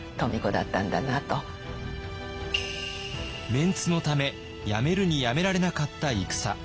メンツのためやめるにやめられなかった戦。